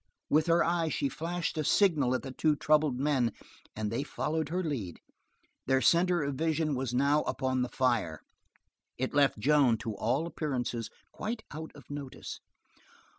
With her eyes she flashed a signal at the two troubled men and they followed her lead. Their center of vision was now upon the fire. It left Joan, to all appearances, quite out of notice.